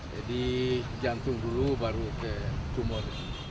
jadi jantung dulu baru ke tumor